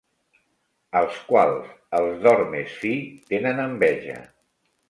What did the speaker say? Als quals els d'or més fi tenen enveja.